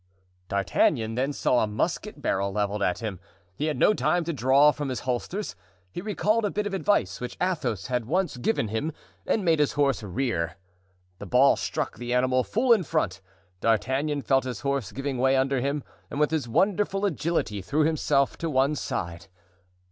D'Artagnan then saw a musket barrel leveled at him; he had no time to draw from his holsters. He recalled a bit of advice which Athos had once given him, and made his horse rear. The ball struck the animal full in front. D'Artagnan felt his horse giving way under him and with his wonderful agility threw himself to one side.